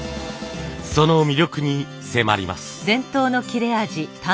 その魅力に迫ります。